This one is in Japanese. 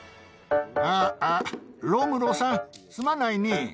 あ、あ、ロムロさん、すまないね。